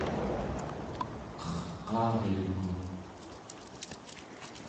qerqaarluku